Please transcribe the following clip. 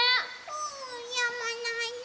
うんやまないね。